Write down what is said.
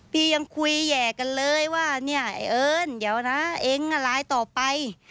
พี่ยังคุยแหย่กันเลยว่าเนี่ยไอ้เอิ้นเดี๋ยวนะเองก็ร้ายต่อไป